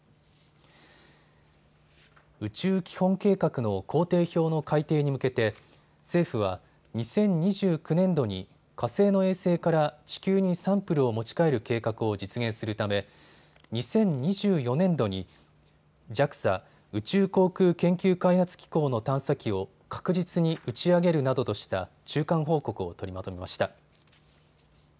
宇宙基本計画の工程表の改訂に向けて政府は２０２９年度に火星の衛星から地球にサンプルを持ち帰る計画を実現するため２０２４年度にＪＡＸＡ・宇宙航空研究開発機構の探査機を確実に打ち上げるなどとした中間報告を取りまとめました。